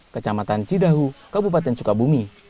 kecamatan cidahu kabupaten sukabumi